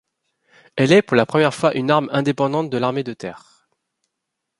Elle est pour la première fois une arme indépendante de l'armée de terre.